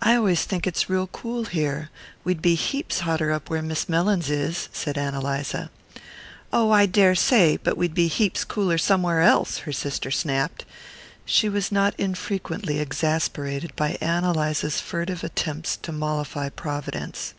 "I always think it's real cool here we'd be heaps hotter up where Miss Mellins is," said Ann Eliza. "Oh, I daresay but we'd be heaps cooler somewhere else," her sister snapped: she was not infrequently exasperated by Ann Eliza's furtive attempts to mollify Providence.